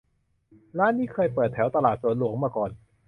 ร้านนี้เคยเปิดแถวตลาดสวนหลวงมาก่อน